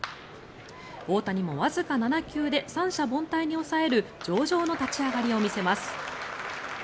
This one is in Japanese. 大谷もわずか７球で三者凡退に抑える上々の立ち上がりを見せます。